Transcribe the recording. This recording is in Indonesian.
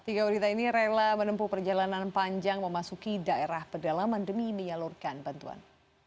tiga wanita ini rela menempuh perjalanan panjang memasuki daerah pedalaman demi menyalurkan bantuan